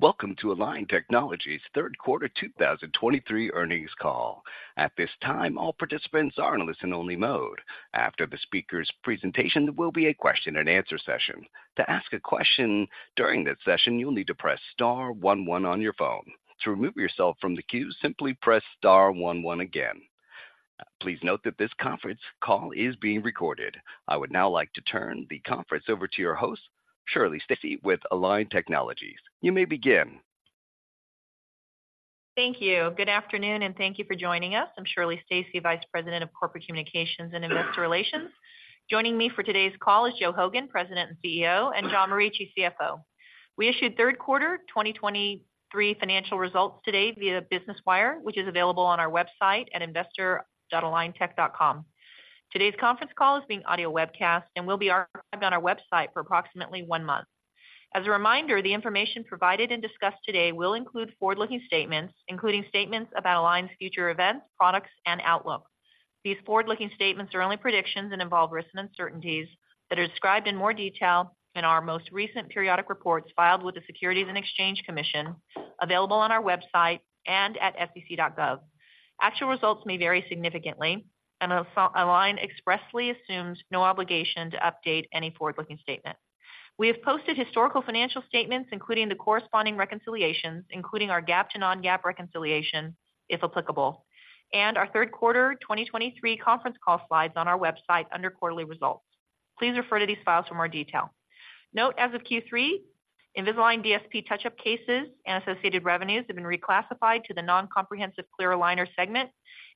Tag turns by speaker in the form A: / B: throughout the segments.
A: Welcome to Align Technology's third quarter 2023 earnings call. At this time, all participants are in listen-only mode. After the speaker's presentation, there will be a question-and-answer session. To ask a question during that session, you'll need to press star one one on your phone. To remove yourself from the queue, simply press star one one again. Please note that this conference call is being recorded. I would now like to turn the conference over to your host, Shirley Stacy, with Align Technology. You may begin.
B: Thank you. Good afternoon, and thank you for joining us. I'm Shirley Stacy, Vice President of Corporate Communications and Investor Relations. Joining me for today's call is Joe Hogan, President and CEO, and John Morici, CFO. We issued third quarter 2023 financial results today via Business Wire, which is available on our website at investor.aligntech.com. Today's conference call is being audio webcast and will be archived on our website for approximately one month. As a reminder, the information provided and discussed today will include forward-looking statements, including statements about Align's future events, products, and outlook. These forward-looking statements are only predictions and involve risks and uncertainties that are described in more detail in our most recent periodic reports filed with the Securities and Exchange Commission, available on our website and at sec.gov. Actual results may vary significantly, and Align expressly assumes no obligation to update any forward-looking statement. We have posted historical financial statements, including the corresponding reconciliations, including our GAAP to non-GAAP reconciliation, if applicable, and our third quarter 2023 conference call slides on our website under quarterly results. Please refer to these files for more detail. Note, as of Q3, Invisalign DSP touch-up cases and associated revenues have been reclassified to the non-comprehensive clear aligner segment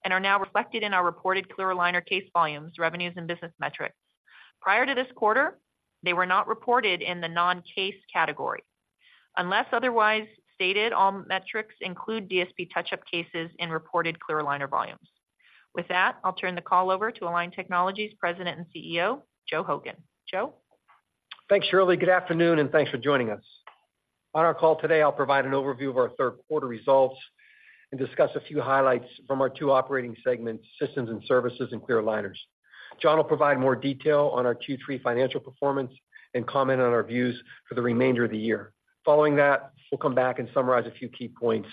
B: and are now reflected in our reported clear aligner case volumes, revenues, and business metrics. Prior to this quarter, they were not reported in the non-case category. Unless otherwise stated, all metrics include DSP touch-up cases in reported clear aligner volumes. With that, I'll turn the call over to Align Technology President and CEO, Joe Hogan. Joe?
C: Thanks, Shirley. Good afternoon, and thanks for joining us. On our call today, I'll provide an overview of our third quarter results and discuss a few highlights from our two operating segments, systems and services, and clear aligners. John will provide more detail on our Q3 financial performance and comment on our views for the remainder of the year. Following that, we'll come back and summarize a few key points,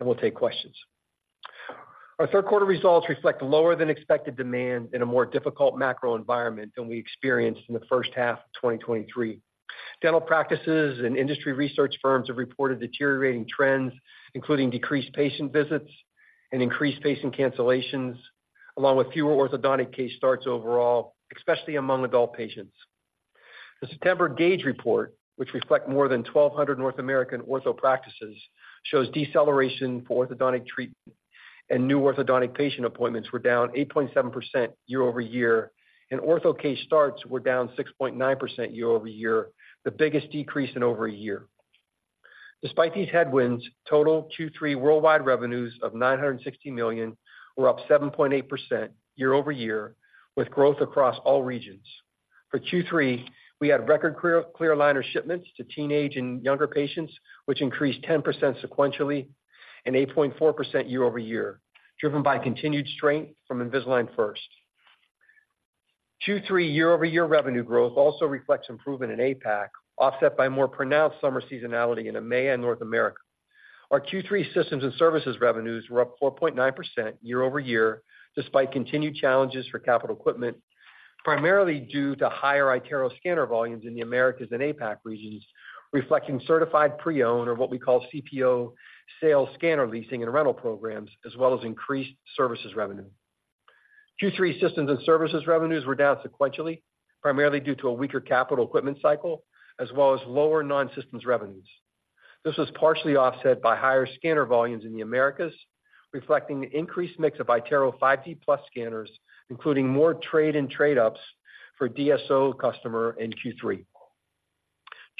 C: and we'll take questions. Our third quarter results reflect lower than expected demand in a more difficult macro environment than we experienced in the first half of 2023. Dental practices and industry research firms have reported deteriorating trends, including decreased patient visits and increased patient cancellations, along with fewer orthodontic case starts overall, especially among adult patients. The September Gauge report, which reflects more than 1,200 North American ortho practices, shows deceleration for orthodontic treatment and new orthodontic patient appointments were down 8.7% year-over-year, and ortho case starts were down 6.9% year-over-year, the biggest decrease in over a year. Despite these headwinds, total Q3 worldwide revenues of $960 million were up 7.8% year-over-year, with growth across all regions. For Q3, we had record clear aligner shipments to teenage and younger patients, which increased 10% sequentially and 8.4% year-over-year, driven by continued strength from Invisalign First. Q3 year-over-year revenue growth also reflects improvement in APAC, offset by more pronounced summer seasonality in EMEA and North America. Our Q3 systems and services revenues were up 4.9% year-over-year, despite continued challenges for capital equipment, primarily due to higher iTero scanner volumes in the Americas and APAC regions, reflecting Certified Pre-Owned, or what we call CPO, sales scanner leasing and rental programs, as well as increased services revenue. Q3 systems and services revenues were down sequentially, primarily due to a weaker capital equipment cycle, as well as lower non-systems revenues. This was partially offset by higher scanner volumes in the Americas, reflecting the increased mix of iTero 5D Plus scanners, including more trade and trade-ups for DSO customer in Q3.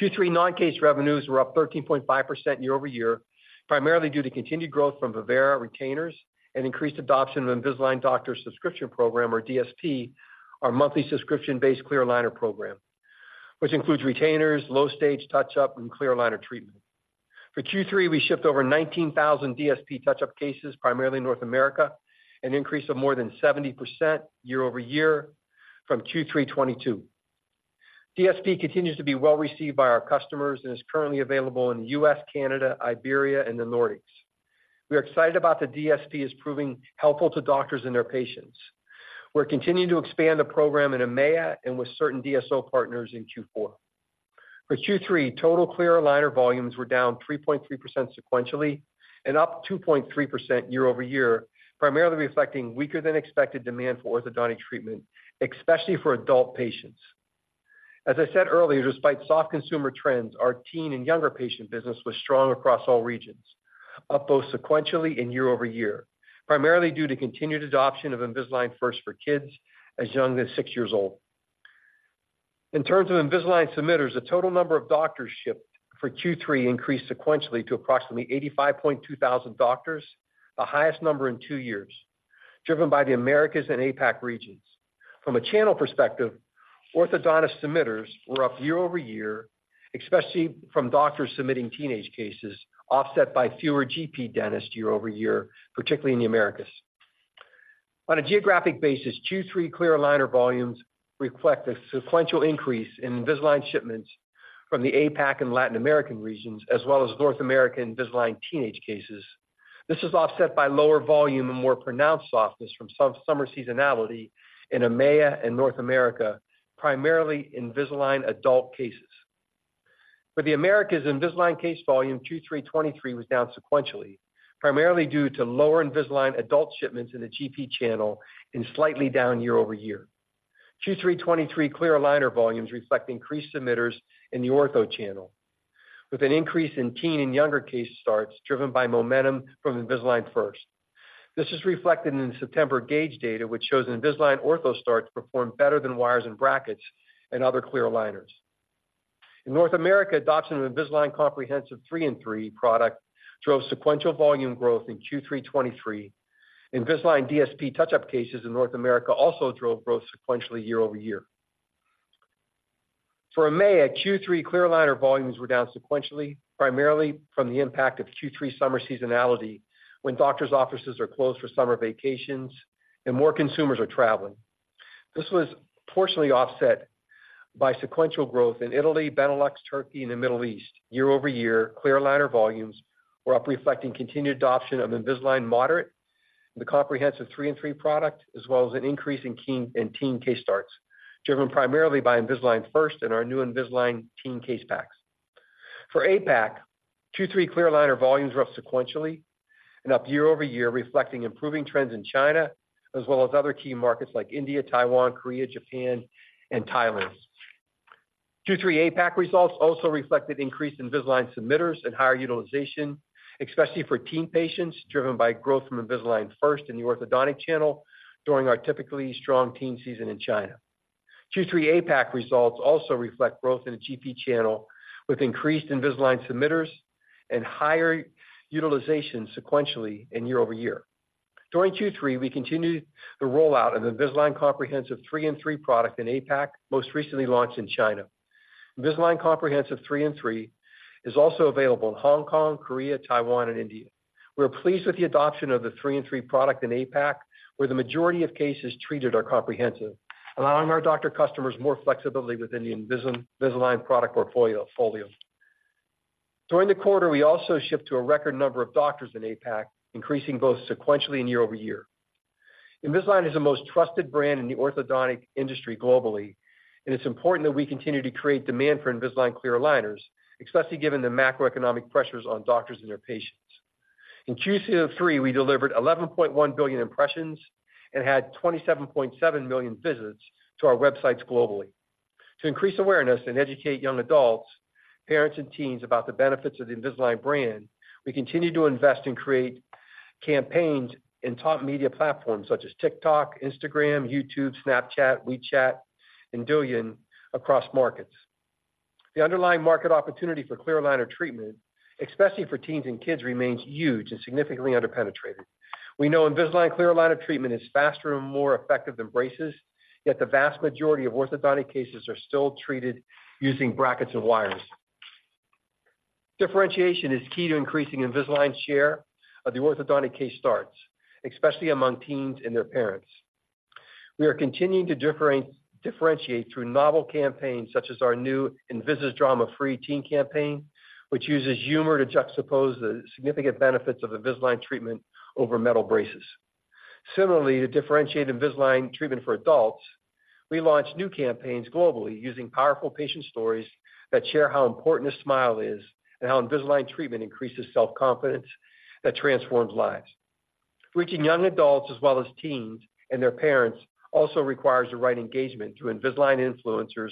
C: Q3 non-case revenues were up 13.5% year-over-year, primarily due to continued growth from Vivera retainers and increased adoption of Invisalign Doctor Subscription Program, or DSP, our monthly subscription-based clear aligner program, which includes retainers, low-stage touch-up, and clear aligner treatment. For Q3, we shipped over 19,000 DSP touch-up cases, primarily in North America, an increase of more than 70% year-over-year from Q3 2022. DSP continues to be well-received by our customers and is currently available in the US, Canada, Iberia, and the Nordics. We are excited about the DSP as proving helpful to doctors and their patients. We're continuing to expand the program in EMEA and with certain DSO partners in Q4. For Q3, total clear aligner volumes were down 3.3% sequentially and up 2.3% year-over-year, primarily reflecting weaker than expected demand for orthodontic treatment, especially for adult patients. As I said earlier, despite soft consumer trends, our teen and younger patient business was strong across all regions, up both sequentially and year-over-year, primarily due to continued adoption of Invisalign First for kids as young as 6 years old. In terms of Invisalign submitters, the total number of doctors shipped for Q3 increased sequentially to approximately 85,200 doctors, the highest number in 2 years, driven by the Americas and APAC regions. From a channel perspective, orthodontist submitters were up year-over-year, especially from doctors submitting teenage cases, offset by fewer GP dentists year-over-year, particularly in the Americas. On a geographic basis, Q3 clear aligner volumes reflect a sequential increase in Invisalign shipments from the APAC and Latin American regions, as well as North American Invisalign teenage cases. This is offset by lower volume and more pronounced softness from some summer seasonality in EMEA and North America, primarily Invisalign adult cases. For the Americas, Invisalign case volume Q3 2023 was down sequentially, primarily due to lower Invisalign adult shipments in the GP channel, and slightly down year-over-year. Q3 2023 clear aligner volumes reflect increased submitters in the ortho channel, with an increase in teen and younger case starts, driven by momentum from Invisalign First. This is reflected in the September gauge data, which shows Invisalign ortho starts performed better than wires and brackets and other clear aligners. In North America, adoption of Invisalign Comprehensive 3+3 product drove sequential volume growth in Q3 2023. Invisalign DSP touch-up cases in North America also drove growth sequentially year-over-year. For EMEA, Q3 clear aligner volumes were down sequentially, primarily from the impact of Q3 summer seasonality, when doctors' offices are closed for summer vacations and more consumers are traveling. This was partially offset by sequential growth in Italy, Benelux, Turkey, and the Middle East. Year-over-year, clear aligner volumes were up, reflecting continued adoption of Invisalign Moderate, the Comprehensive 3+3 product, as well as an increase in teen case starts, driven primarily by Invisalign First and our new Invisalign Teen case packs. For APAC, Q3 clear aligner volumes were up sequentially and up year-over-year, reflecting improving trends in China, as well as other key markets like India, Taiwan, Korea, Japan, and Thailand. Q3 APAC results also reflected increased Invisalign submitters and higher utilization, especially for teen patients, driven by growth from Invisalign First in the orthodontic channel during our typically strong teen season in China. Q3 APAC results also reflect growth in the GP channel, with increased Invisalign submitters and higher utilization sequentially and year-over-year. During Q3, we continued the rollout of Invisalign Comprehensive 3+3 product in APAC, most recently launched in China. Invisalign Comprehensive 3+3 is also available in Hong Kong, Korea, Taiwan, and India. We are pleased with the adoption of the Three and Three product in APAC, where the majority of cases treated are comprehensive, allowing our doctor customers more flexibility within the Invisalign product portfolio. During the quarter, we also shipped to a record number of doctors in APAC, increasing both sequentially and year-over-year. Invisalign is the most trusted brand in the orthodontic industry globally, and it's important that we continue to create demand for Invisalign clear aligners, especially given the macroeconomic pressures on doctors and their patients. In Q2 2023, we delivered 11.1 billion impressions and had 27.7 million visits to our websites globally. To increase awareness and educate young adults, parents, and teens about the benefits of the Invisalign brand, we continue to invest and create campaigns in top media platforms such as TikTok, Instagram, YouTube, Snapchat, WeChat, and Douyin across markets. The underlying market opportunity for clear aligner treatment, especially for teens and kids, remains huge and significantly underpenetrated. We know Invisalign clear aligner treatment is faster and more effective than braces, yet the vast majority of orthodontic cases are still treated using brackets and wires. Differentiation is key to increasing Invisalign's share of the orthodontic case starts, especially among teens and their parents. We are continuing to differentiate through novel campaigns, such as our new Invisalign Drama Free Teen campaign, which uses humor to juxtapose the significant benefits of Invisalign treatment over metal braces. Similarly, to differentiate Invisalign treatment for adults, we launched new campaigns globally, using powerful patient stories that share how important a smile is and how Invisalign treatment increases self-confidence that transforms lives. Reaching young adults as well as teens and their parents also requires the right engagement through Invisalign influencers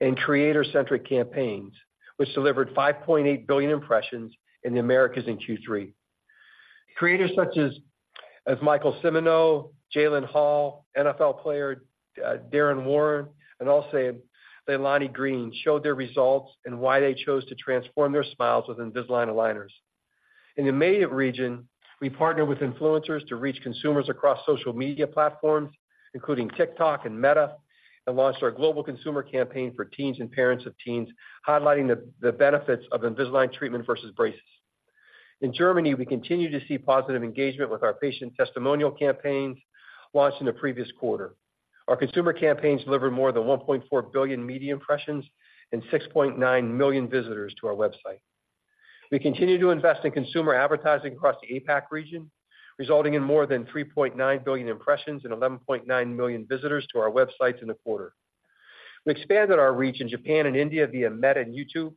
C: and creator-centric campaigns, which delivered 5.8 billion impressions in the Americas in Q3. Creators such as Michael Cimino, Jalen Hall, NFL player, Darren Waller, and also Leilani Green showed their results and why they chose to transform their smiles with Invisalign aligners. In the EMEA region, we partnered with influencers to reach consumers across social media platforms, including TikTok and Meta, and launched our global consumer campaign for teens and parents of teens, highlighting the benefits of Invisalign treatment versus braces. In Germany, we continue to see positive engagement with our patient testimonial campaigns launched in the previous quarter. Our consumer campaigns delivered more than 1.4 billion media impressions and 6.9 million visitors to our website. We continue to invest in consumer advertising across the APAC region, resulting in more than 3.9 billion impressions and 11.9 million visitors to our websites in the quarter. We expanded our reach in Japan and India via Meta and YouTube,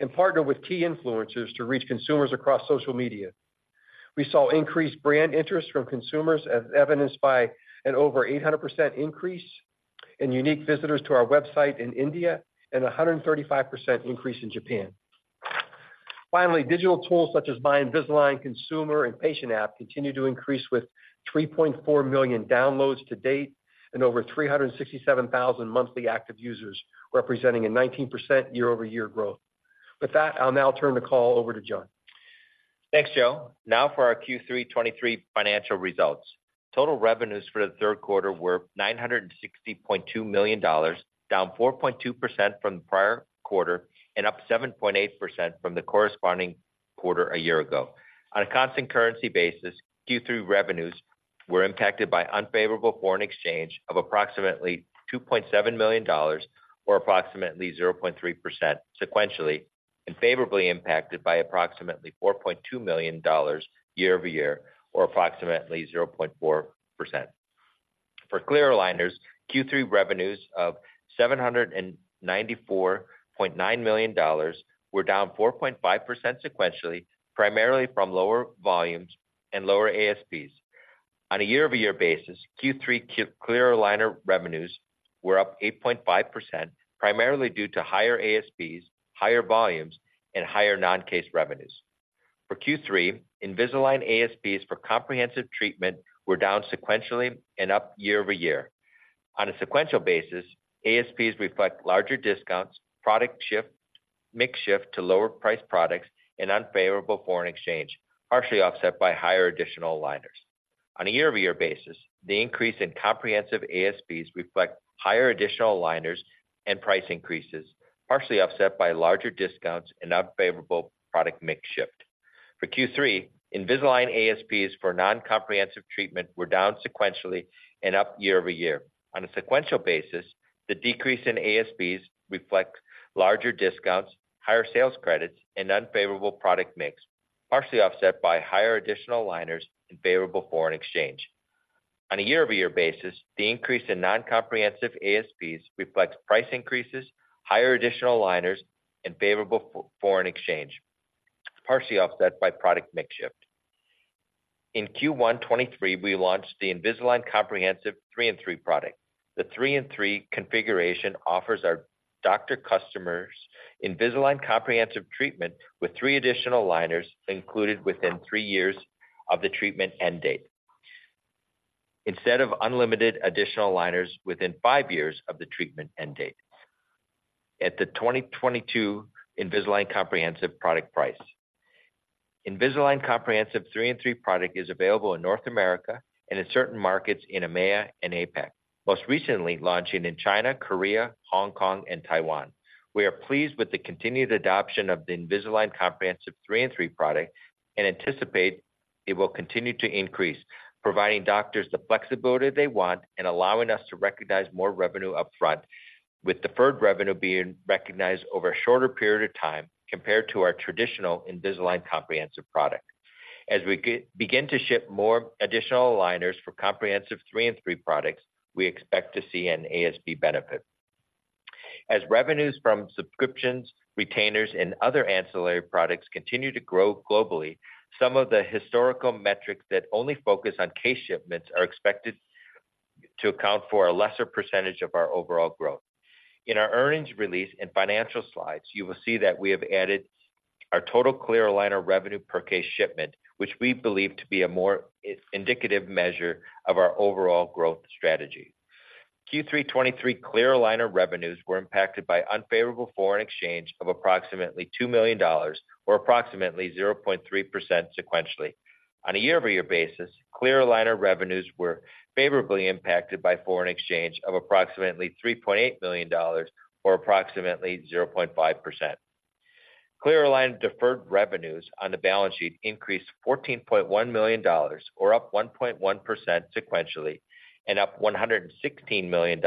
C: and partnered with key influencers to reach consumers across social media. We saw increased brand interest from consumers, as evidenced by an over 800% increase in unique visitors to our website in India, and a 135% increase in Japan. Finally, digital tools such as My Invisalign consumer and patient app continue to increase with 3.4 million downloads to date and over 367,000 monthly active users, representing a 19% year-over-year growth. With that, I'll now turn the call over to John.
D: Thanks, Joe. Now for our Q3 2023 financial results. Total revenues for the third quarter were $960.2 million, down 4.2% from the prior quarter and up 7.8% from the corresponding quarter a year ago. On a constant currency basis, Q3 revenues were impacted by unfavorable foreign exchange of approximately $2.7 million or approximately 0.3% sequentially, and favorably impacted by approximately $4.2 million year-over-year or approximately 0.4%. For clear aligners, Q3 revenues of $794.9 million were down 4.5% sequentially, primarily from lower volumes and lower ASPs. On a year-over-year basis, Q3 clear aligner revenues were up 8.5%, primarily due to higher ASPs, higher volumes, and higher non-case revenues. For Q3, Invisalign ASPs for comprehensive treatment were down sequentially and up year-over-year. On a sequential basis, ASPs reflect larger discounts, product shift, mix shift to lower price products, and unfavorable foreign exchange, partially offset by higher additional aligners. On a year-over-year basis, the increase in comprehensive ASPs reflect higher additional aligners and price increases, partially offset by larger discounts and unfavorable product mix shift. For Q3, Invisalign ASPs for non-comprehensive treatment were down sequentially and up year-over-year. On a sequential basis, the decrease in ASPs reflect larger discounts, higher sales credits, and unfavorable product mix, partially offset by higher additional aligners and favorable foreign exchange. On a year-over-year basis, the increase in non-comprehensive ASPs reflects price increases, higher additional aligners, and favorable foreign exchange, partially offset by product mix shift. In Q1 2023, we launched the Invisalign Comprehensive Three and Three product. The Three and Three configuration offers our doctor customers Invisalign Comprehensive treatment, with three additional aligners included within three years of the treatment end date, instead of unlimited additional aligners within five years of the treatment end date, at the 2022 Invisalign Comprehensive product price. Invisalign Comprehensive Three and Three product is available in North America and in certain markets in EMEA and APAC, most recently launching in China, Korea, Hong Kong and Taiwan. We are pleased with the continued adoption of the Invisalign Comprehensive Three and Three product and anticipate it will continue to increase, providing doctors the flexibility they want and allowing us to recognize more revenue upfront, with deferred revenue being recognized over a shorter period of time compared to our traditional Invisalign Comprehensive product. As we begin to ship more additional aligners for Comprehensive Three and Three products, we expect to see an ASP benefit. As revenues from subscriptions, retainers, and other ancillary products continue to grow globally, some of the historical metrics that only focus on case shipments are expected to account for a lesser percentage of our overall growth. In our earnings release and financial slides, you will see that we have added our total clear aligner revenue per case shipment, which we believe to be a more indicative measure of our overall growth strategy. Q3 2023 clear aligner revenues were impacted by unfavorable foreign exchange of approximately $2 million, or approximately 0.3% sequentially. On a year-over-year basis, clear aligner revenues were favorably impacted by foreign exchange of approximately $3.8 million, or approximately 0.5%. Clear aligner deferred revenues on the balance sheet increased $14.1 million, or up 1.1% sequentially, and up $116 million,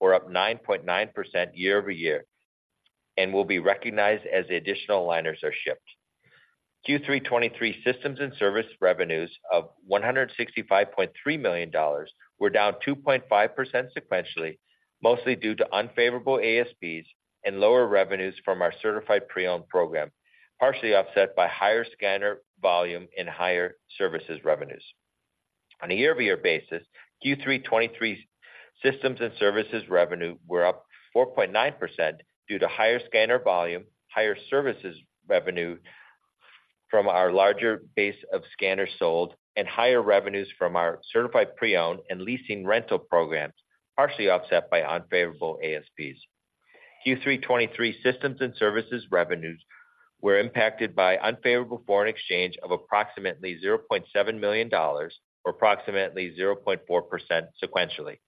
D: or up 9.9% year-over-year, and will be recognized as the additional aligners are shipped. Q3 2023 systems and service revenues of $165.3 million were down 2.5% sequentially, mostly due to unfavorable ASPs and lower revenues from our certified pre-owned program, partially offset by higher scanner volume and higher services revenues. On a year-over-year basis, Q3 2023 systems and services revenue were up 4.9% due to higher scanner volume, higher services revenue from our larger base of scanners sold, and higher revenues from our certified pre-owned and leasing rental programs, partially offset by unfavorable ASPs. Q3 2023 Systems and Services revenues were impacted by unfavorable foreign exchange of approximately $0.7 million or approximately 0.4% sequentially.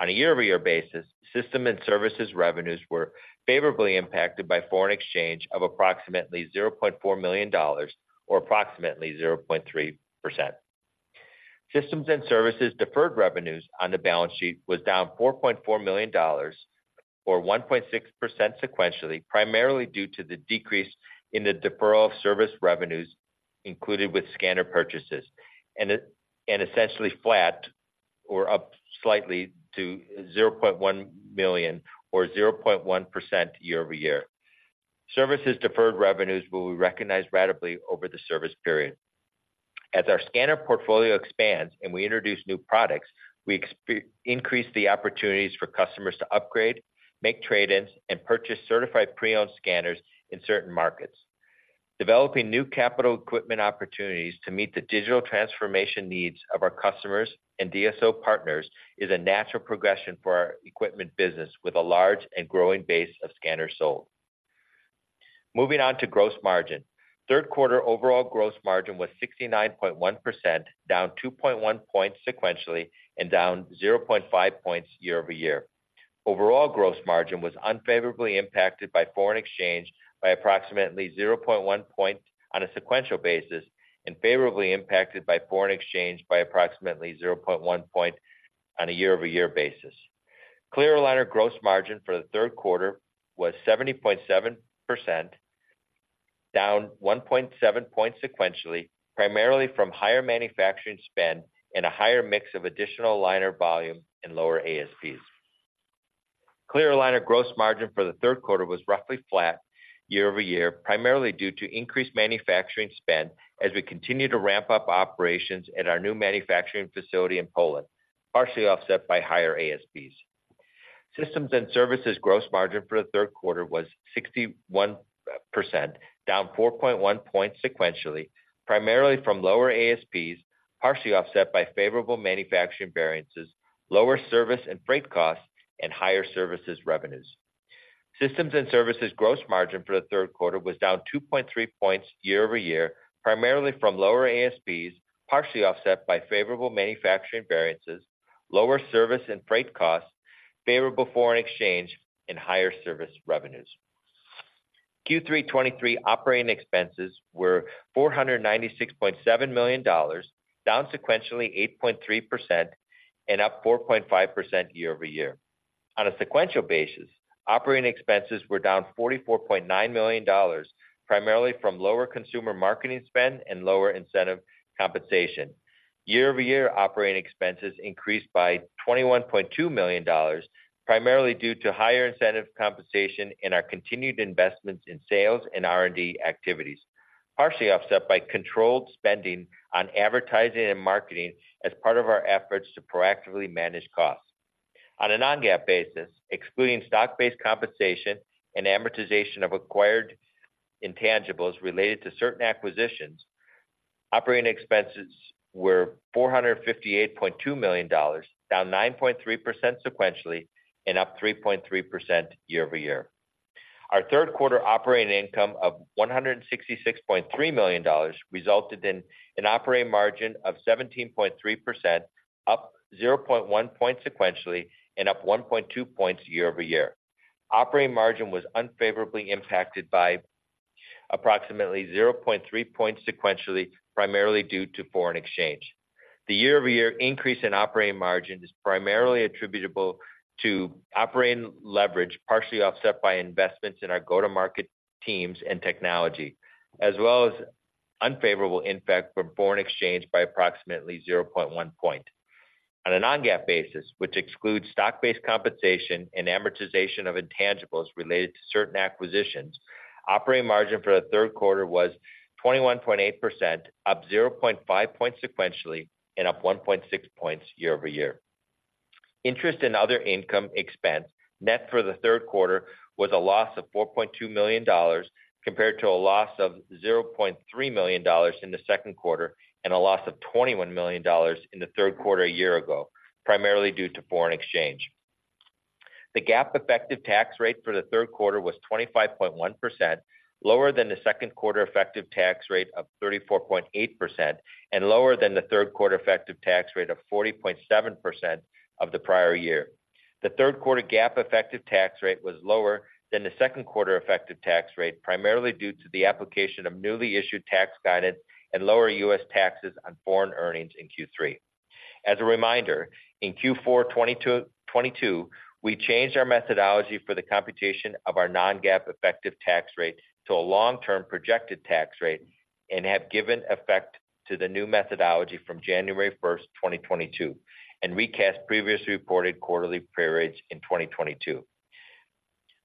D: On a year-over-year basis, Systems and Services revenues were favorably impacted by foreign exchange of approximately $0.4 million or approximately 0.3%. Systems and Services Deferred Revenue on the balance sheet was down $4.4 million, or 1.6% sequentially, primarily due to the decrease in the deferral of service revenues included with scanner purchases, and essentially flat or up slightly to $0.1 million or 0.1% year-over-year. Services Deferred Revenue will be recognized ratably over the service period. As our scanner portfolio expands and we introduce new products, we increase the opportunities for customers to upgrade, make trade-ins, and purchase Certified Pre-Owned scanners in certain markets. Developing new capital equipment opportunities to meet the digital transformation needs of our customers and DSO partners is a natural progression for our equipment business, with a large and growing base of scanners sold. Moving on to gross margin. Third quarter overall gross margin was 69.1%, down 2.1 points sequentially and down 0.5 points year-over-year. Overall gross margin was unfavorably impacted by foreign exchange by approximately 0.1 point on a sequential basis, and favorably impacted by foreign exchange by approximately 0.1 point on a year-over-year basis. Clear aligner gross margin for the third quarter was 70.7%, down 1.7 points sequentially, primarily from higher manufacturing spend and a higher mix of additional aligner volume and lower ASPs. Clear aligner gross margin for the third quarter was roughly flat year-over-year, primarily due to increased manufacturing spend as we continue to ramp up operations at our new manufacturing facility in Poland, partially offset by higher ASPs. Systems and services gross margin for the third quarter was 61%, down 4.1 points sequentially, primarily from lower ASPs, partially offset by favorable manufacturing variances, lower service and freight costs, and higher services revenues. Systems and services gross margin for the third quarter was down 2.3 points year-over-year, primarily from lower ASPs, partially offset by favorable manufacturing variances, lower service and freight costs, favorable foreign exchange, and higher service revenues. Q3 2023 operating expenses were $496.7 million, down sequentially 8.3% and up 4.5% year-over-year. On a sequential basis, operating expenses were down $44.9 million, primarily from lower consumer marketing spend and lower incentive compensation. Year-over-year, operating expenses increased by $21.2 million, primarily due to higher incentive compensation and our continued investments in sales and R&D activities, partially offset by controlled spending on advertising and marketing as part of our efforts to proactively manage costs. On a non-GAAP basis, excluding stock-based compensation and amortization of acquired intangibles related to certain acquisitions, operating expenses were $458.2 million, down 9.3% sequentially and up 3.3% year-over-year. Our third quarter operating income of $166.3 million resulted in an operating margin of 17.3%, up 0.1 point sequentially and up 1.2 points year-over-year. Operating margin was unfavorably impacted by approximately 0.3 points sequentially, primarily due to foreign exchange. The year-over-year increase in operating margin is primarily attributable to operating leverage, partially offset by investments in our go-to-market teams and technology, as well as unfavorable impact from foreign exchange by approximately 0.1 point. On a non-GAAP basis, which excludes stock-based compensation and amortization of intangibles related to certain acquisitions, operating margin for the third quarter was 21.8%, up 0.5 points sequentially and up 1.6 points year-over-year. Interest in other income expense, net for the third quarter was a loss of $4.2 million, compared to a loss of $0.3 million in the second quarter, and a loss of $21 million in the third quarter a year ago, primarily due to foreign exchange. The GAAP effective tax rate for the third quarter was 25.1%, lower than the second quarter effective tax rate of 34.8%, and lower than the third quarter effective tax rate of 40.7% of the prior year. The third quarter GAAP effective tax rate was lower than the second quarter effective tax rate, primarily due to the application of newly issued tax guidance and lower U.S. taxes on foreign earnings in Q3. As a reminder, in Q4 2022, 2022, we changed our methodology for the computation of our non-GAAP effective tax rate to a long-term projected tax rate and have given effect to the new methodology from January 1st, 2022, and recast previously reported quarterly periods in 2022.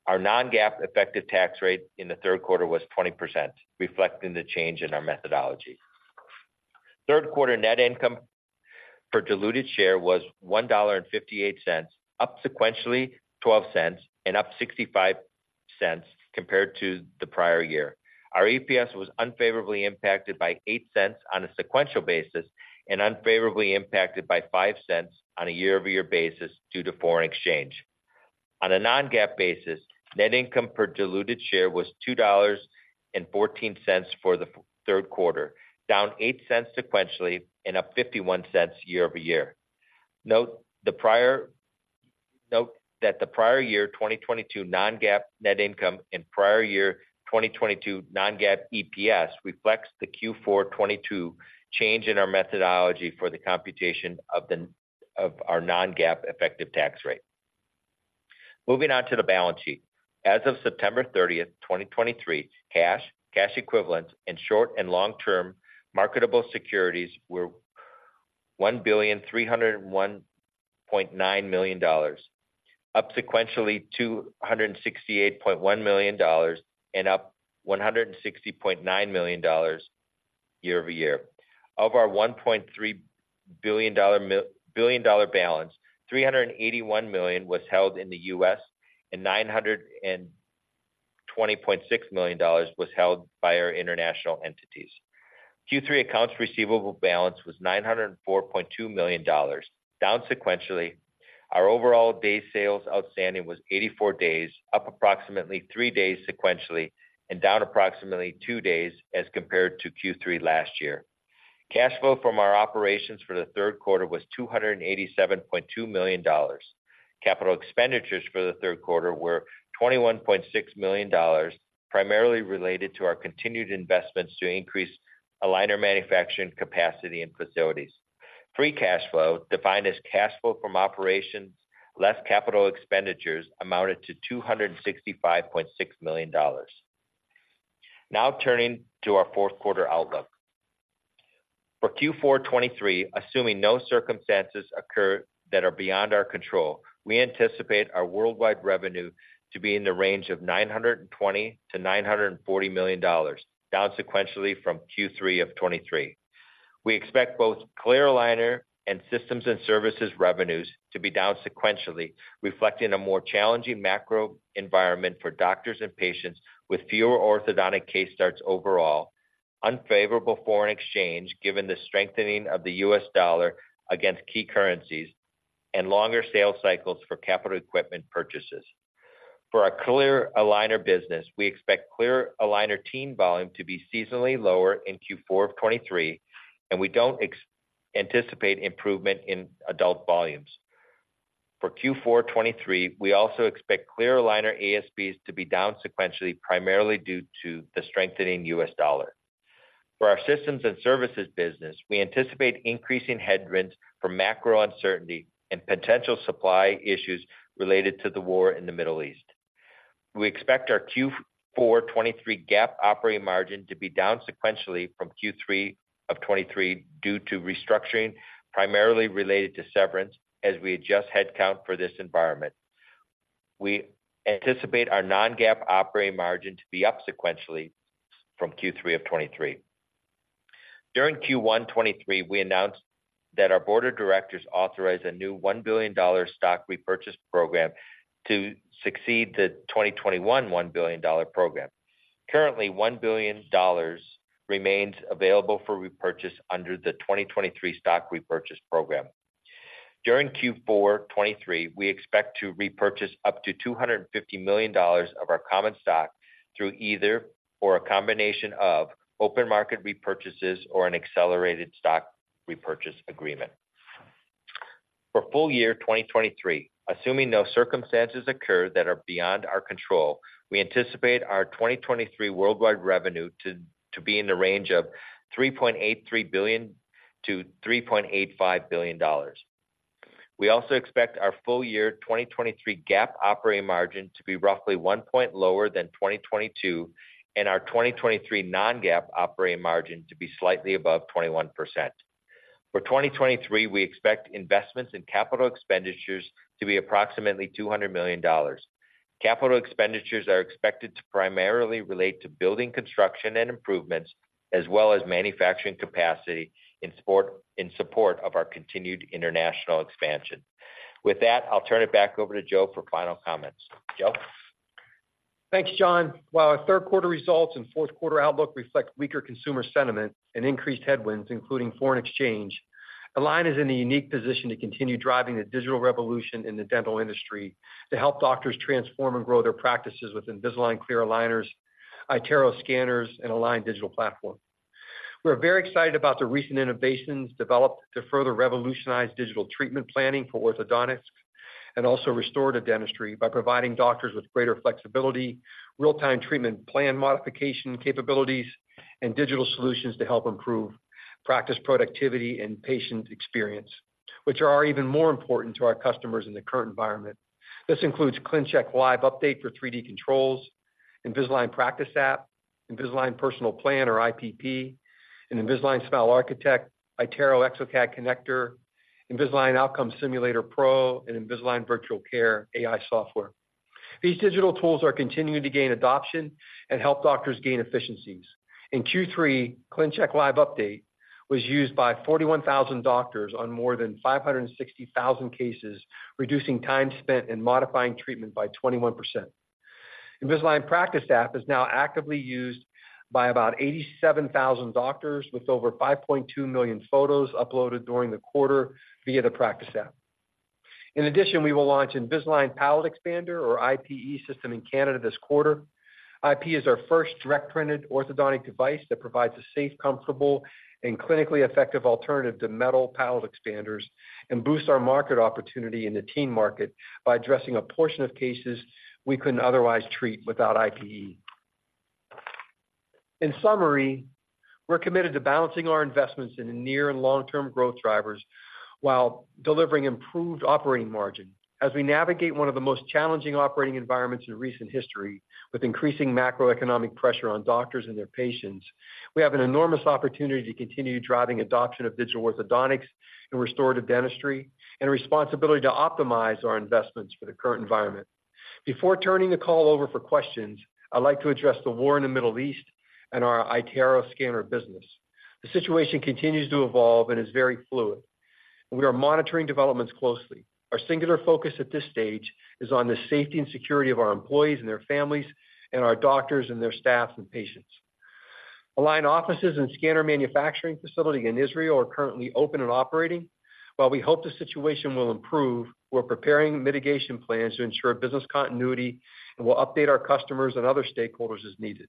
D: Our non-GAAP effective tax rate in the third quarter was 20%, reflecting the change in our methodology. Third quarter net income per diluted share was $1.58, up sequentially $0.12 and up $0.65 compared to the prior year. Our EPS was unfavorably impacted by $0.08 on a sequential basis and unfavorably impacted by $0.05 on a year-over-year basis due to foreign exchange. On a non-GAAP basis, net income per diluted share was $2.14 for the third quarter, down $0.08 sequentially and up $0.51 year-over-year. Note that the prior year, 2022 non-GAAP net income and prior year 2022 non-GAAP EPS reflects the Q4 2022 change in our methodology for the computation of our non-GAAP effective tax rate. Moving on to the balance sheet. As of September 30, 2023, cash, cash equivalents, and short- and long-term marketable securities were $1,301.9 million, up sequentially $268.1 million, and up $160.9 million year-over-year. Of our $1.3 billion dollar balance, $381 million was held in the U.S., and $920.6 million was held by our international entities. Q3 accounts receivable balance was $904.2 million, down sequentially. Our overall day sales outstanding was 84 days, up approximately three days sequentially and down approximately two days as compared to Q3 last year. Cash flow from our operations for the third quarter was $287.2 million. Capital expenditures for the third quarter were $21.6 million, primarily related to our continued investments to increase aligner manufacturing capacity and facilities. Free cash flow, defined as cash flow from operations, less capital expenditures, amounted to $265.6 million. Now, turning to our fourth quarter outlook. For Q4 2023, assuming no circumstances occur that are beyond our control, we anticipate our worldwide revenue to be in the range of $920 million-$940 million, down sequentially from Q3 of 2023. We expect both clear aligner and systems and services revenues to be down sequentially, reflecting a more challenging macro environment for doctors and patients with fewer orthodontic case starts overall, unfavorable foreign exchange, given the strengthening of the US dollar against key currencies, and longer sales cycles for capital equipment purchases. For our clear aligner business, we expect clear aligner teen volume to be seasonally lower in Q4 of 2023, and we don't anticipate improvement in adult volumes. For Q4 2023, we also expect clear aligner ASPs to be down sequentially, primarily due to the strengthening U.S. dollar. For our systems and services business, we anticipate increasing headwinds from macro uncertainty and potential supply issues related to the war in the Middle East. We expect our Q4 2023 GAAP operating margin to be down sequentially from Q3 of 2023 due to restructuring, primarily related to severance, as we adjust headcount for this environment. We anticipate our non-GAAP operating margin to be up sequentially from Q3 of 2023. During Q1 2023, we announced that our board of directors authorized a new $1 billion stock repurchase program to succeed the 2021 $1 billion program. Currently, $1 billion remains available for repurchase under the 2023 stock repurchase program. During Q4 2023, we expect to repurchase up to $250 million of our common stock through either, or a combination of, open market repurchases or an accelerated stock repurchase agreement. For full year 2023, assuming no circumstances occur that are beyond our control, we anticipate our 2023 worldwide revenue to be in the range of $3.83 billion-$3.85 billion. We also expect our full year 2023 GAAP operating margin to be roughly 1 point lower than 2022, and our 2023 non-GAAP operating margin to be slightly above 21%. For 2023, we expect investments in capital expenditures to be approximately $200 million. Capital expenditures are expected to primarily relate to building construction and improvements, as well as manufacturing capacity in support of our continued international expansion. With that, I'll turn it back over to Joe for final comments. Joe?
C: Thanks, John. While our third quarter results and fourth quarter outlook reflect weaker consumer sentiment and increased headwinds, including foreign exchange, Align is in a unique position to continue driving the digital revolution in the dental industry to help doctors transform and grow their practices with Invisalign clear aligners, iTero scanners and Align Digital Platform. We're very excited about the recent innovations developed to further revolutionize digital treatment planning for orthodontics, and also restorative dentistry by providing doctors with greater flexibility, real-time treatment plan modification capabilities, and digital solutions to help improve practice productivity and patient experience, which are even more important to our customers in the current environment. This includes ClinCheck Live Update for 3D controls, Invisalign Practice App, Invisalign Personalized Plan, or IPP, and Invisalign Smile Architect, iTero exocad Connector, Invisalign Outcome Simulator Pro, and Invisalign Virtual Care AI software. These digital tools are continuing to gain adoption and help doctors gain efficiencies. In Q3, ClinCheck Live Update was used by 41,000 doctors on more than 560,000 cases, reducing time spent in modifying treatment by 21%. Invisalign Practice App is now actively used by about 87,000 doctors, with over 5.2 million photos uploaded during the quarter via the Practice App. In addition, we will launch Invisalign Palatal Expander, or IPE system, in Canada this quarter. IPE is our first direct-printed orthodontic device that provides a safe, comfortable, and clinically effective alternative to metal palate expanders and boosts our market opportunity in the teen market by addressing a portion of cases we couldn't otherwise treat without IPE. In summary, we're committed to balancing our investments in the near and long-term growth drivers while delivering improved operating margin. As we navigate one of the most challenging operating environments in recent history, with increasing macroeconomic pressure on doctors and their patients, we have an enormous opportunity to continue driving adoption of digital orthodontics and restorative dentistry, and a responsibility to optimize our investments for the current environment. Before turning the call over for questions, I'd like to address the war in the Middle East and our iTero scanner business. The situation continues to evolve and is very fluid, and we are monitoring developments closely. Our singular focus at this stage is on the safety and security of our employees and their families, and our doctors and their staffs and patients. Align offices and scanner manufacturing facility in Israel are currently open and operating. While we hope the situation will improve, we're preparing mitigation plans to ensure business continuity, and we'll update our customers and other stakeholders as needed.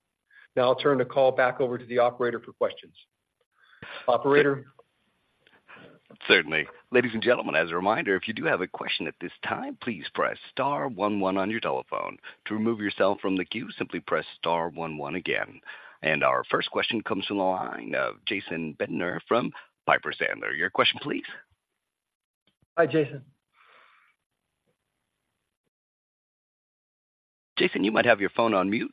C: Now I'll turn the call back over to the operator for questions. Operator?
A: Certainly. Ladies and gentlemen, as a reminder, if you do have a question at this time, please press star one one on your telephone. To remove yourself from the queue, simply press star one one again. And our first question comes from the line of Jason Bednar from Piper Sandler. Your question, please.
C: Hi, Jason.
A: Jason, you might have your phone on mute.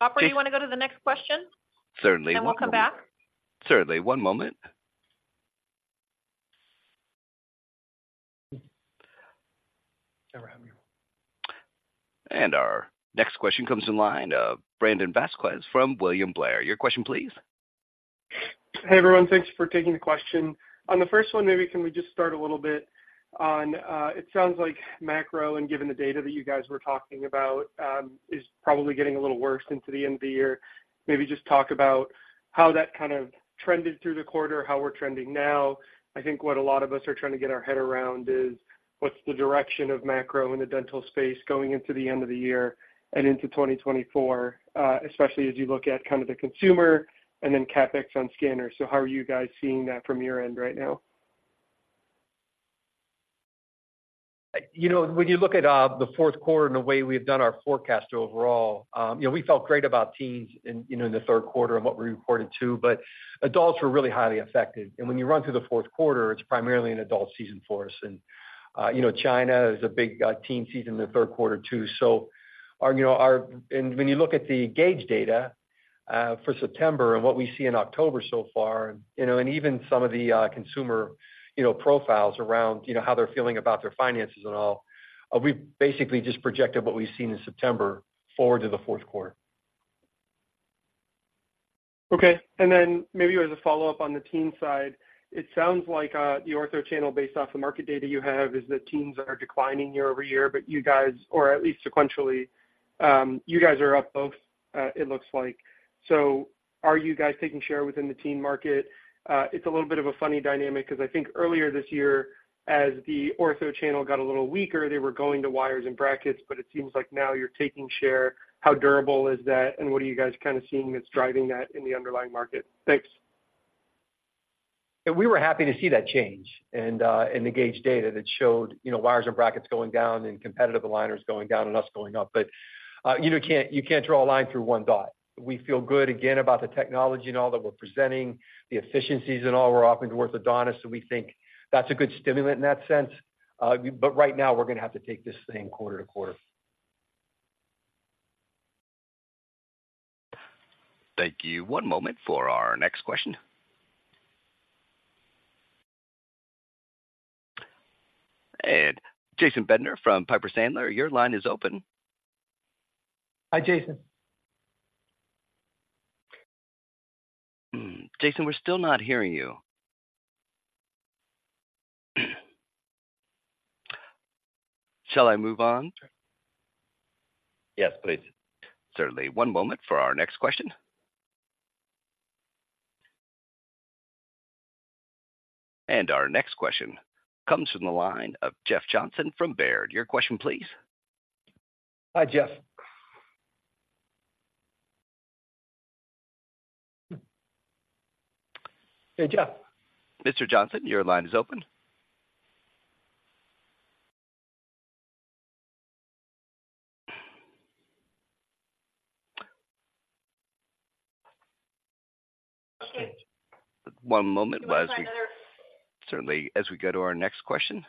B: Operator, you want to go to the next question?
A: Certainly.
B: And then we'll come back.
A: Certainly. One moment. Our next question comes in line, Brandon Vazquez from William Blair. Your question, please.
E: Hey, everyone. Thanks for taking the question. On the first one, maybe can we just start a little bit on, it sounds like macro, and given the data that you guys were talking about, is probably getting a little worse into the end of the year. Maybe just talk about how that kind of trended through the quarter, how we're trending now. I think what a lot of us are trying to get our head around is, what's the direction of macro in the dental space going into the end of the year and into 2024, especially as you look at kind of the consumer and then CapEx on scanners. So how are you guys seeing that from your end right now?
C: You know, when you look at the fourth quarter and the way we've done our forecast overall, you know, we felt great about teens in, you know, in the third quarter and what we reported too, but adults were really highly affected. And when you run through the fourth quarter, it's primarily an adult season for us. And, you know, China is a big teen season in the third quarter, too. So our, you know, and when you look at the gauge data for September and what we see in October so far, you know, and even some of the consumer, you know, profiles around, you know, how they're feeling about their finances and all, we basically just projected what we've seen in September forward to the fourth quarter.
E: Okay. Then maybe as a follow-up on the teen side, it sounds like the ortho channel, based off the market data you have, is that teens are declining year-over-year, but you guys, or at least sequentially, you guys are up both, it looks like. So are you guys taking share within the teen market? It's a little bit of a funny dynamic because I think earlier this year, as the ortho channel got a little weaker, they were going to wires and brackets, but it seems like now you're taking share. How durable is that, and what are you guys kind of seeing that's driving that in the underlying market? Thanks.
C: We were happy to see that change and the gauge data that showed, you know, wires and brackets going down and competitive aligners going down and us going up. But, you know, you can't draw a line through one dot. We feel good, again, about the technology and all that we're presenting, the efficiencies and all we're offering to orthodontists, so we think that's a good stimulant in that sense. But right now, we're going to have to take this thing quarter-over-quarter.
A: Thank you. One moment for our next question. Jason Bednar from Piper Sandler, your line is open.
C: Hi, Jason.
A: Hmm, Jason, we're still not hearing you. Shall I move on?
C: Yes, please.
A: Certainly. One moment for our next question. Our next question comes from the line of Jeff Johnson from Baird. Your question, please.
C: Hi, Jeff. Hey, Jeff.
A: Mr. Johnson, your line is open. One moment while we.
B: Can I try another?
A: Certainly, as we go to our next question.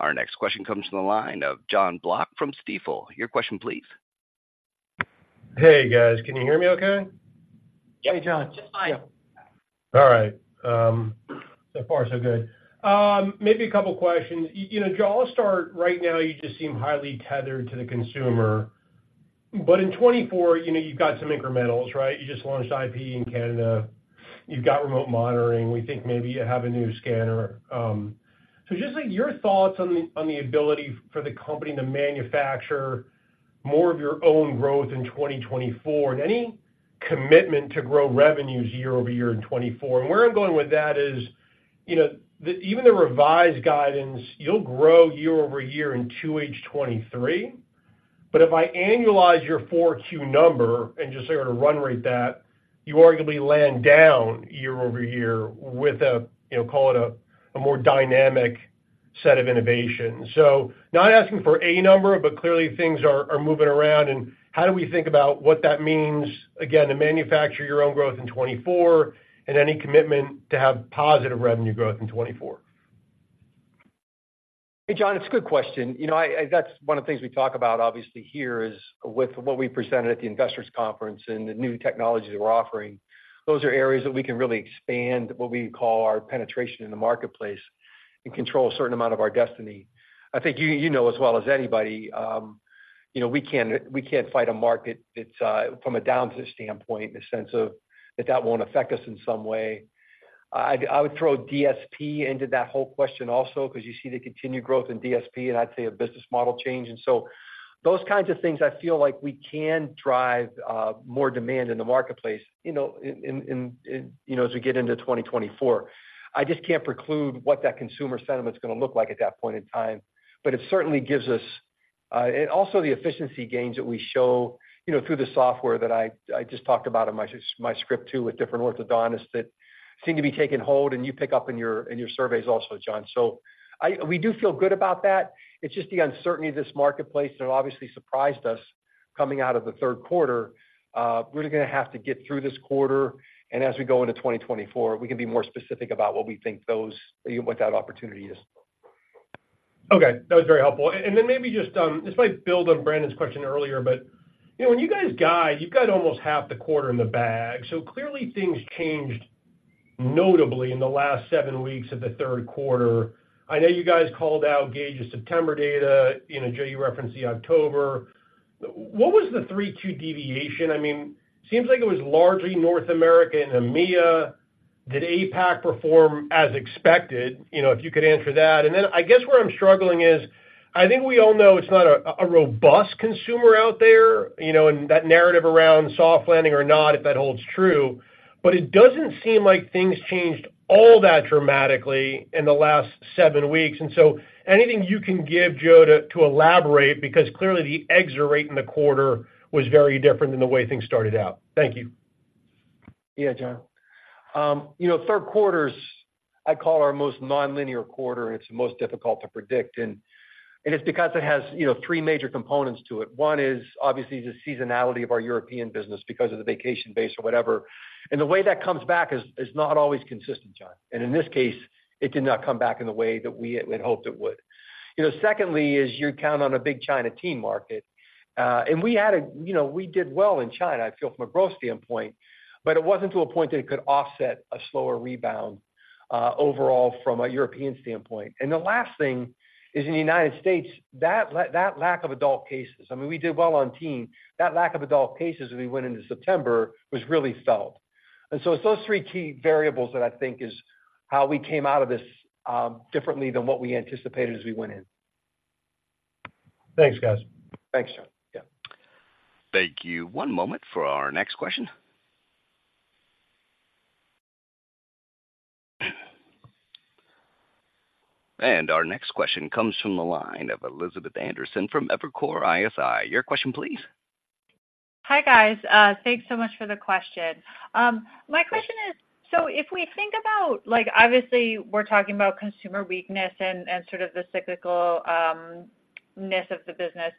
A: Our next question comes from the line of Jon Block from Stifel. Your question, please.
F: Hey, guys. Can you hear me okay?
C: Yeah, John.
B: Just fine.
F: All right. So far, so good. Maybe a couple of questions. You know, Q1 start, right now, you just seem highly tethered to the consumer. But in 2024, you know, you've got some incrementals, right? You just launched IP in Canada. You've got remote monitoring. We think maybe you have a new scanner. So just like your thoughts on the, on the ability for the company to manufacture more of your own growth in 2024, and any commitment to grow revenues year-over-year in 2024. And where I'm going with that is, you know, the even the revised guidance, you'll grow year-over-year in 2H 2023. But if I annualize your 4Q number and just sort of run rate that, you arguably land down year-over-year with a, you know, call it a, a more dynamic set of innovations. Not asking for a number, but clearly things are moving around. How do we think about what that means, again, to manufacture your own growth in 2024 and any commitment to have positive revenue growth in 2024?
C: Hey, John, it's a good question. You know, that's one of the things we talk about obviously here, is with what we presented at the investors' conference and the new technologies we're offering, those are areas that we can really expand what we call our penetration in the marketplace and control a certain amount of our destiny. I think you know as well as anybody, you know, we can't fight a market that's from a downside standpoint, in the sense of that, that won't affect us in some way. I would throw DSP into that whole question also, because you see the continued growth in DSP, and I'd say a business model change. And so those kinds of things, I feel like we can drive more demand in the marketplace, you know, as we get into 2024. I just can't preclude what that consumer sentiment is going to look like at that point in time, but it certainly gives us, and also the efficiency gains that we show, you know, through the software that I just talked about in my script, too, with different orthodontists that seem to be taking hold, and you pick up in your surveys also, John. So we do feel good about that. It's just the uncertainty of this marketplace that obviously surprised us coming out of the third quarter. We're gonna have to get through this quarter, and as we go into 2024, we can be more specific about what we think that opportunity is.
F: Okay, that was very helpful. And then maybe just, this might build on Brandon's question earlier, but you know, when you guys guide, you've got almost half the quarter in the bag. So clearly things changed notably in the last seven weeks of the third quarter. I know you guys called out Gauge of September data. You know, Joe, you referenced the October. What was the 3-2 deviation? I mean, seems like it was largely North America and EMEA. Did APAC perform as expected? You know, if you could answer that. And then I guess where I'm struggling is, I think we all know it's not a robust consumer out there, you know, and that narrative around soft landing or not, if that holds true, but it doesn't seem like things changed all that dramatically in the last seven weeks. Anything you can give, Joe, to elaborate, because clearly, the exit rate in the quarter was very different than the way things started out. Thank you.
C: Yeah, John. You know, third quarter's, I call our most nonlinear quarter, and it's the most difficult to predict. And it's because it has, you know, three major components to it. One is, obviously, the seasonality of our European business because of the vacation base or whatever. And the way that comes back is not always consistent, John, and in this case, it did not come back in the way that we had hoped it would. You know, secondly, is you count on a big China teen market, and we had a you know, we did well in China, I feel from a growth standpoint, but it wasn't to a point that it could offset a slower rebound overall from a European standpoint. And the last thing is in the United States, that lack of adult cases, I mean, we did well on teen. That lack of adult cases as we went into September, was really felt. And so it's those three key variables that I think is how we came out of this, differently than what we anticipated as we went in.
F: Thanks, guys.
C: Thanks, John. Yeah.
A: Thank you. One moment for our next question. Our next question comes from the line of Elizabeth Anderson from Evercore ISI. Your question, please.
G: Hi, guys, thanks so much for the question. My question is, so if we think about like, obviously, we're talking about consumer weakness and, and sort of the cyclical, ness of the business.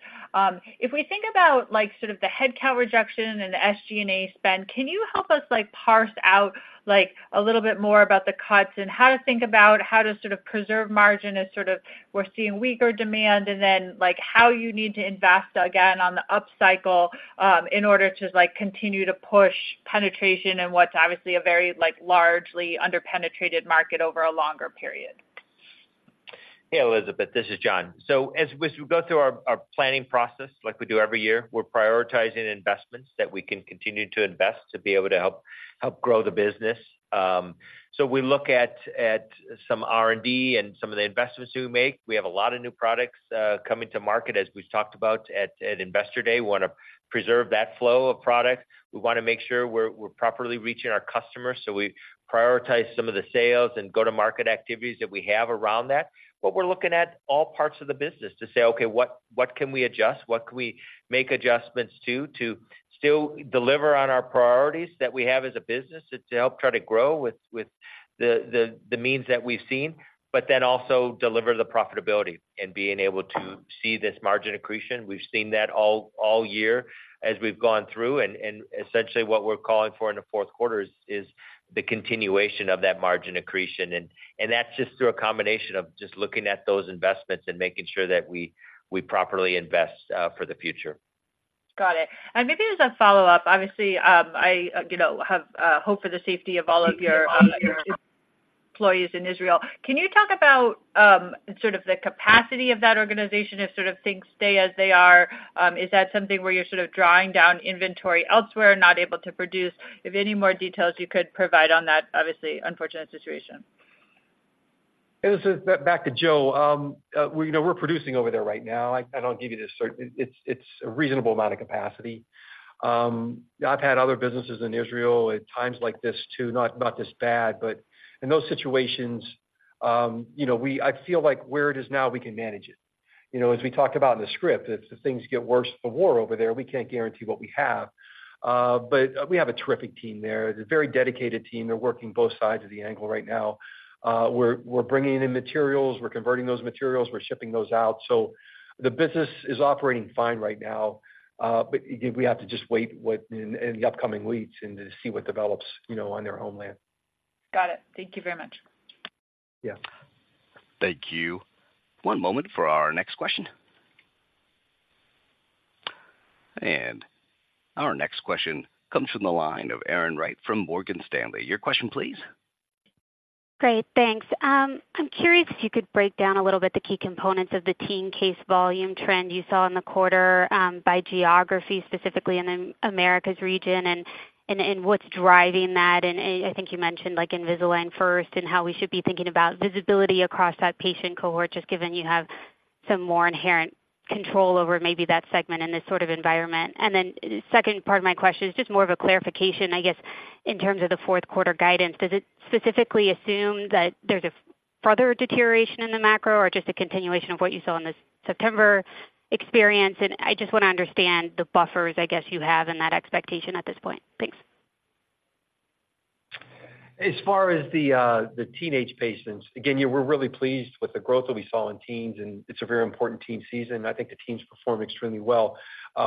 G: If we think about like sort of the headcount reduction and the SG&A spend, can you help us like parse out like a little bit more about the cuts and how to think about how to sort of preserve margin as sort of we're seeing weaker demand, and then, like, how you need to invest again on the upcycle, in order to, like, continue to push penetration and what's obviously a very, like, largely underpenetrated market over a longer period?
D: Hey, Elizabeth, this is John. So as we go through our planning process, like we do every year, we're prioritizing investments that we can continue to invest to be able to help grow the business. So we look at some R&D and some of the investments we make. We have a lot of new products coming to market, as we've talked about at Investor Day. We want to preserve that flow of product. We want to make sure we're properly reaching our customers, so we prioritize some of the sales and go-to-market activities that we have around that. But we're looking at all parts of the business to say, "Okay, what can we adjust? What can we make adjustments to, to still deliver on our priorities that we have as a business to help try to grow with the means that we've seen, but then also deliver the profitability and being able to see this margin accretion?" We've seen that all year as we've gone through, and essentially what we're calling for in the fourth quarter is the continuation of that margin accretion, and that's just through a combination of just looking at those investments and making sure that we properly invest for the future.
G: Got it. And maybe as a follow-up, obviously, I you know have hope for the safety of all of your employees in Israel. Can you talk about sort of the capacity of that organization if sort of things stay as they are? Is that something where you're sort of drawing down inventory elsewhere, not able to produce? If any more details you could provide on that, obviously unfortunate situation.
C: Back to Joe. You know, we're producing over there right now. It's a reasonable amount of capacity. I've had other businesses in Israel at times like this, too. Not this bad, but in those situations, you know, I feel like where it is now, we can manage it. You know, as we talked about in the script, if things get worse, the war over there, we can't guarantee what we have. But we have a terrific team there, a very dedicated team. They're working both sides of the angle right now. We're bringing in materials, we're converting those materials, we're shipping those out. So the business is operating fine right now, but we have to just wait within the upcoming weeks and to see what develops, you know, on their homeland.
G: Got it. Thank you very much.
C: Yeah.
A: Thank you. One moment for our next question. Our next question comes from the line of Erin Wright from Morgan Stanley. Your question, please.
H: Great, thanks. I'm curious if you could break down a little bit the key components of the teen case volume trend you saw in the quarter, by geography, specifically in the Americas region, and what's driving that. And I think you mentioned, like, Invisalign First, and how we should be thinking about visibility across that patient cohort, just given you have some more inherent control over maybe that segment in this sort of environment. And then second part of my question is just more of a clarification, I guess, in terms of the fourth quarter guidance. Does it specifically assume that there's a--... further deterioration in the macro or just a continuation of what you saw in the September experience? And I just want to understand the buffers, I guess, you have in that expectation at this point. Thanks.
C: As far as the teenage patients, again, yeah, we're really pleased with the growth that we saw in teens, and it's a very important teen season. I think the teens performed extremely well.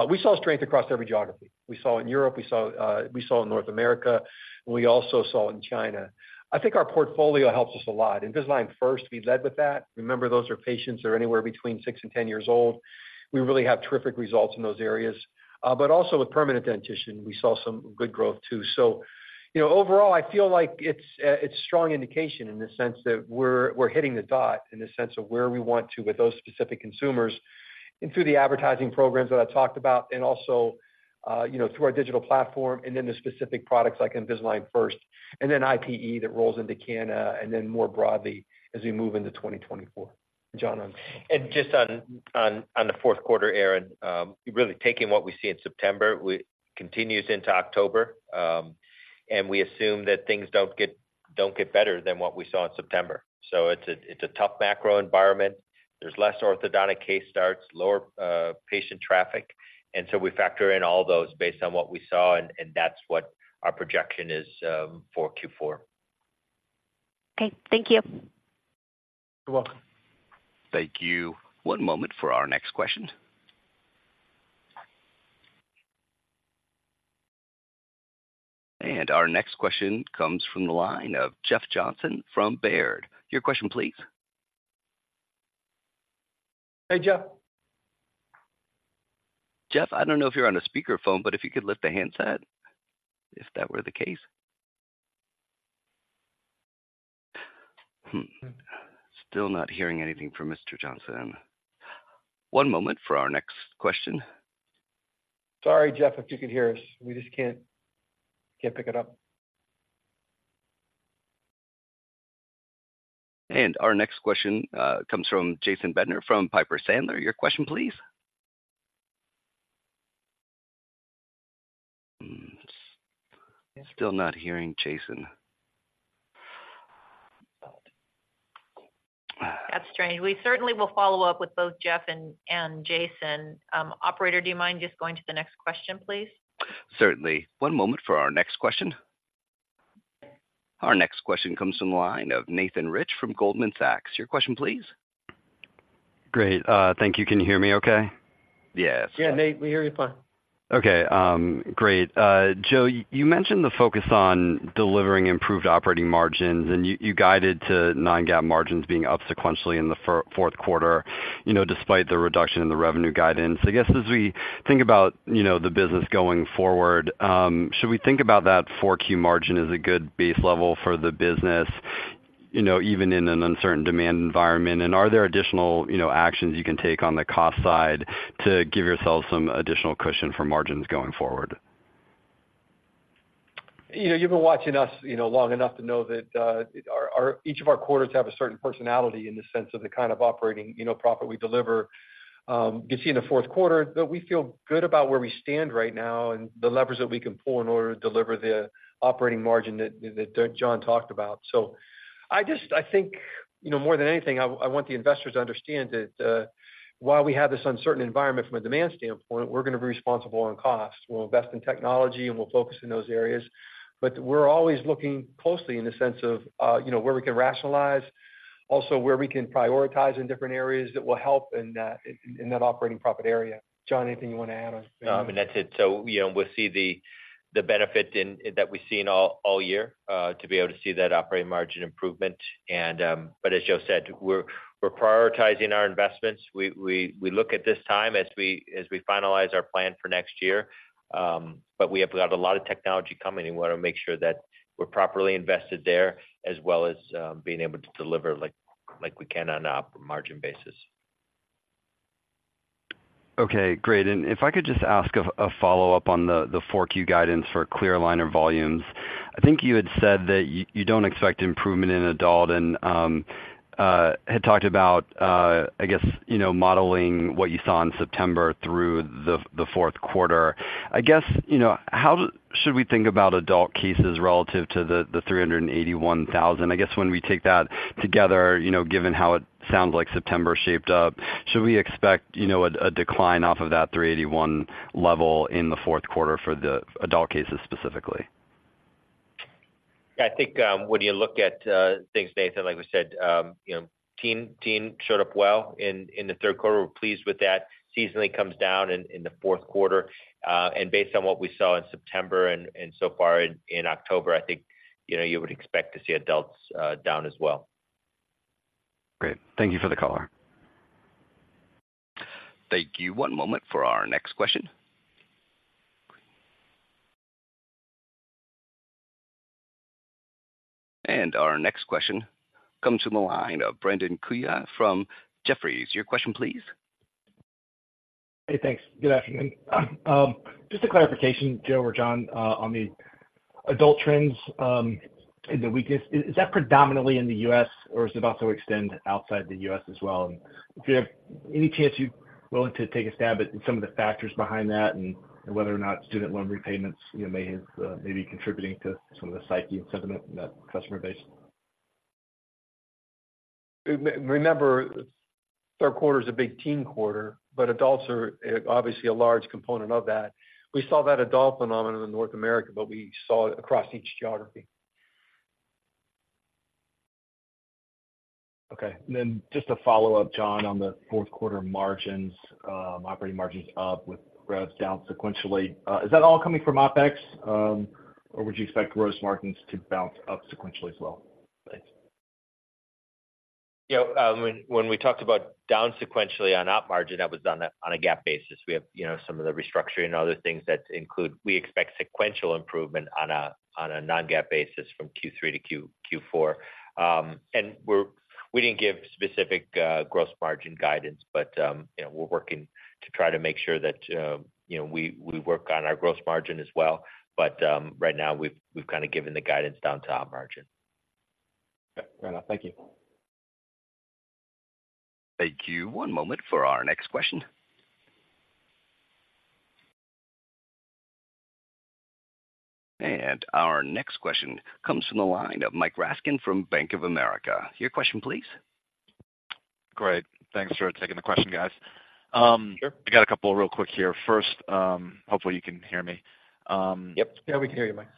C: We saw strength across every geography. We saw in Europe, we saw in North America, we also saw in China. I think our portfolio helps us a lot. Invisalign First, we led with that. Remember, those are patients that are anywhere between six and 10 years old. We really have terrific results in those areas. But also with permanent dentition, we saw some good growth, too. So, you know, overall, I feel like it's, it's strong indication in the sense that we're, we're hitting the dot in the sense of where we want to with those specific consumers, and through the advertising programs that I talked about, and also, you know, through our digital platform, and then the specific products like Invisalign First, and then IPE that rolls into Canada, and then more broadly as we move into 2024. John?
D: Just on the fourth quarter, Erin, really taking what we see in September, it continues into October, and we assume that things don't get better than what we saw in September. So it's a tough macro environment. There's less orthodontic case starts, lower patient traffic, and so we factor in all those based on what we saw, and that's what our projection is for Q4.
H: Okay. Thank you.
C: You're welcome.
A: Thank you. One moment for our next question. Our next question comes from the line of Jeff Johnson from Baird. Your question, please.
C: Hey, Jeff.
A: Jeff, I don't know if you're on a speaker phone, but if you could lift a handset, if that were the case. Still not hearing anything from Mr. Johnson. One moment for our next question.
C: Sorry, Jeff, if you could hear us. We just can't pick it up.
A: Our next question comes from Jason Bednar from Piper Sandler. Your question, please. Still not hearing Jason.
B: That's strange. We certainly will follow up with both Jeff and Jason. Operator, do you mind just going to the next question, please?
A: Certainly. One moment for our next question. Our next question comes from the line of Nathan Rich from Goldman Sachs. Your question, please.
I: Great, thank you. Can you hear me okay?
A: Yes.
C: Yeah, Nate, we hear you fine.
I: Okay, great. Joe, you mentioned the focus on delivering improved operating margins, and you guided to non-GAAP margins being up sequentially in the fourth quarter, you know, despite the reduction in the revenue guidance. I guess, as we think about the business going forward, should we think about that Q4 margin as a good base level for the business, you know, even in an uncertain demand environment? And are there additional actions you can take on the cost side to give yourself some additional cushion for margins going forward?
C: You know, you've been watching us, you know, long enough to know that, our. Each of our quarters have a certain personality in the sense of the kind of operating, you know, profit we deliver. You see in the fourth quarter, that we feel good about where we stand right now and the levers that we can pull in order to deliver the operating margin that John talked about. So I just, I think, you know, more than anything, I want the investors to understand that, while we have this uncertain environment from a demand standpoint, we're going to be responsible on cost. We'll invest in technology, and we'll focus in those areas, but we're always looking closely in the sense of, you know, where we can rationalize, also where we can prioritize in different areas that will help in, in that operating profit area. John, anything you want to add on?
D: That's it. So, you know, we'll see the benefit in that we've seen all year to be able to see that operating margin improvement. But as Joe said, we're prioritizing our investments. We look at this time as we finalize our plan for next year, but we have got a lot of technology coming, and we want to make sure that we're properly invested there, as well as being able to deliver like we can on an operating margin basis.
I: Okay, great. And if I could just ask a follow-up on the Q4 guidance for clear aligner volumes. I think you had said that you don't expect improvement in adult and had talked about, I guess, you know, modeling what you saw in September through the fourth quarter. I guess, you know, how should we think about adult cases relative to the 381,000? I guess when we take that together, you know, given how it sounds like September shaped up, should we expect, you know, a decline off of that 381 level in the fourth quarter for the adult cases specifically?
D: I think, when you look at things, Nathan, like we said, you know, teen teen showed up well in the third quarter. We're pleased with that. Seasonally comes down in the fourth quarter, and based on what we saw in September and so far in October, I think, you know, you would expect to see adults down as well.
I: Great. Thank you for the call.
A: Thank you. One moment for our next question. Our next question comes from the line of Brandon Couillard from Jefferies. Your question, please.
J: Hey, thanks. Good afternoon. Just a clarification, Joe or John, on the adult trends in the weakness. Is that predominantly in the U.S., or does it also extend outside the U.S. as well? If you have any chance, you're willing to take a stab at some of the factors behind that and whether or not student loan repayments, you know, may be contributing to some of the psyche and sentiment in that customer base?
C: Remember, third quarter is a big teen quarter, but adults are, obviously a large component of that. We saw that adult phenomenon in North America, but we saw it across each geography.
D: Okay. And then just to follow up, John, on the fourth quarter margins, operating margins up with revs down sequentially.
J: Is that all coming from OpEx,
K: Or would you expect gross margins to bounce up sequentially as well? Thanks.
D: Yeah, when we talked about down sequentially on op margin, that was on a GAAP basis. We have, you know, some of the restructuring and other things that include we expect sequential improvement on a non-GAAP basis from Q3 to Q4. And we didn't give specific gross margin guidance, but, you know, we're working to try to make sure that, you know, we work on our gross margin as well. But right now, we've kind of given the guidance down to op margin.
J: Okay. Fair enough. Thank you.
A: Thank you. One moment for our next question. Our next question comes from the line of Mike Ryskin from Bank of America. Your question, please.
L: Great. Thanks for taking the question, guys.
D: Sure.
L: I got a couple real quick here. First, hopefully, you can hear me.
D: Yep.
C: Yeah, we can hear you, Mike.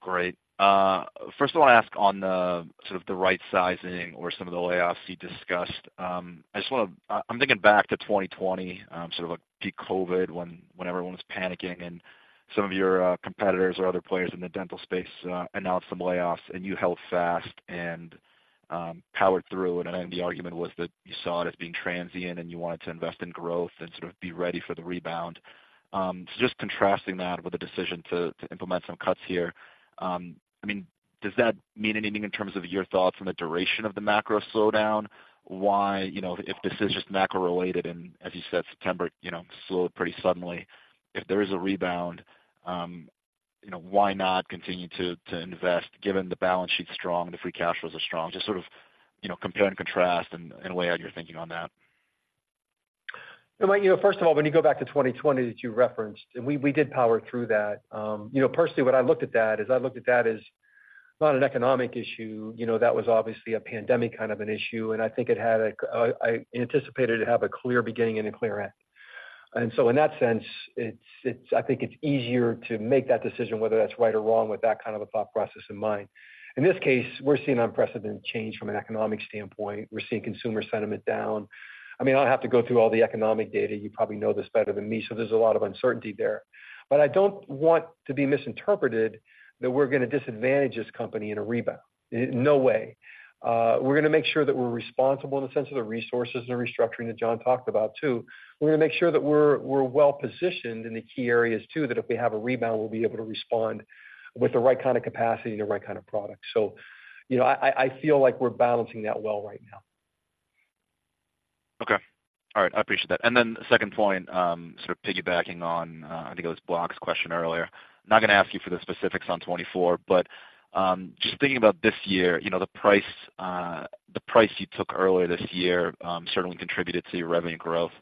L: Great. First of all, I ask on the, sort of the right sizing or some of the layoffs you discussed. I just want to, I, I'm thinking back to 2020, sort of like the COVID, when everyone was panicking and some of your competitors or other players in the dental space announced some layoffs and you held fast and powered through. And I think the argument was that you saw it as being transient and you wanted to invest in growth and sort of be ready for the rebound. So just contrasting that with the decision to implement some cuts here, I mean, does that mean anything in terms of your thoughts on the duration of the macro slowdown? Why, you know, if this is just macro-related, and as you said, September, you know, slowed pretty suddenly, if there is a rebound, you know, why not continue to invest, given the balance sheet's strong, the free cash flows are strong? Just sort of, you know, compare and contrast and weigh out your thinking on that.
C: Yeah, Mike, you know, first of all, when you go back to 2020, that you referenced, and we did power through that. You know, personally, when I looked at that, I looked at that as not an economic issue. You know, that was obviously a pandemic kind of an issue, and I anticipated it to have a clear beginning and a clear end. And so in that sense, it's easier to make that decision, whether that's right or wrong, with that kind of a thought process in mind. In this case, we're seeing unprecedented change from an economic standpoint. We're seeing consumer sentiment down. I mean, I'll have to go through all the economic data. You probably know this better than me, so there's a lot of uncertainty there. But I don't want to be misinterpreted that we're going to disadvantage this company in a rebound. No way. We're going to make sure that we're responsible in the sense of the resources and the restructuring that John talked about, too. We're going to make sure that we're well positioned in the key areas, too, that if we have a rebound, we'll be able to respond with the right kind of capacity and the right kind of product. So you know, I feel like we're balancing that well right now.
L: Okay. All right, I appreciate that. And then the second point, sort of piggybacking on, I think it was Block's question earlier. I'm not going to ask you for the specifics on 2024, but, just thinking about this year, you know, the price, the price you took earlier this year, certainly contributed to your revenue growth.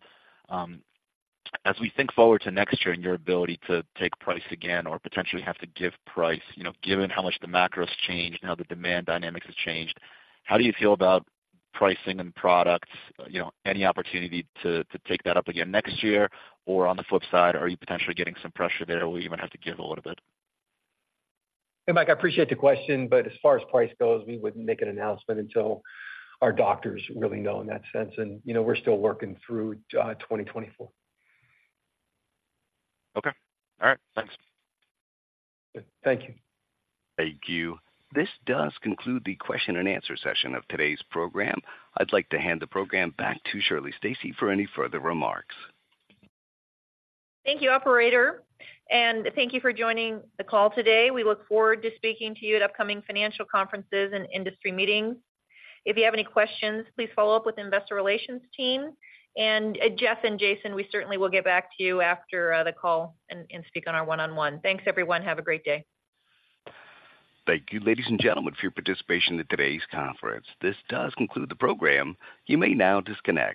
L: As we think forward to next year and your ability to take price again or potentially have to give price, you know, given how much the macro's changed and how the demand dynamics has changed, how do you feel about pricing and products? You know, any opportunity to, to take that up again next year? Or on the flip side, are you potentially getting some pressure there, or we even have to give a little bit?
C: Hey, Mike, I appreciate the question, but as far as price goes, we wouldn't make an announcement until our doctors really know in that sense. And, you know, we're still working through 2024.
L: Okay. All right, thanks.
C: Thank you.
A: Thank you. This does conclude the question and answer session of today's program. I'd like to hand the program back to Shirley Stacy for any further remarks.
B: Thank you, operator, and thank you for joining the call today. We look forward to speaking to you at upcoming financial conferences and industry meetings. If you have any questions, please follow up with investor relations team. And Jeff and Jason, we certainly will get back to you after the call and speak on our one-on-one. Thanks, everyone. Have a great day.
A: Thank you, ladies and gentlemen, for your participation in today's conference. This does conclude the program. You may now disconnect.